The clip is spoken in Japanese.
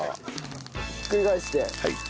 ひっくり返して。